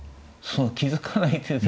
そう気付かない手で。